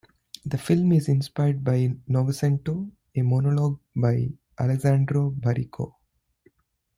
The film is inspired by "Novecento", a monologue by Alessandro Baricco.